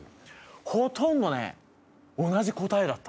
ほとんどね同じ答えだった。